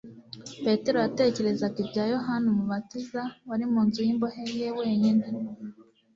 Petero yatekerezaga ibya Yohana Umubatiza wari mu nzu y'imbohe ye wenyine.